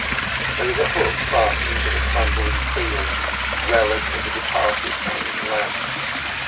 There is a hook fastened to the crumbling ceiling, relic of a departed hanging lamp.